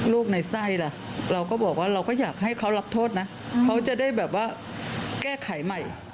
ในไส้ล่ะเราก็บอกว่าเราก็อยากให้เขารับโทษนะเขาจะได้แบบว่าแก้ไขใหม่